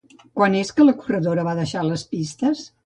Quan és que la corredora va deixar les pistes?